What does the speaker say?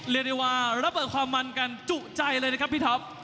เรียกได้ว่าระเบิดความมันกันจุใจเลยนะครับพี่ท็อป